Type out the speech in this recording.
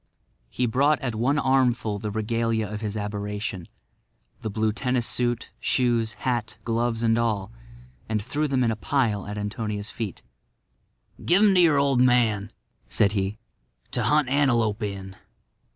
He brought at one armful the regalia of his aberration—the blue tennis suit, shoes, hat, gloves and all, and threw them in a pile at Antonia's feet. "Give them to your old man," said he, "to hunt antelope in."